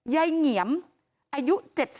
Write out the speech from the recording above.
ใยเหงียมอายุ๗๒